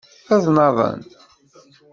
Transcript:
Ad naḍen.